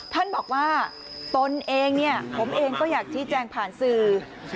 ท่านบอกว่าตนเองเนี่ยผมเองก็อยากชี้แจงผ่านสื่อ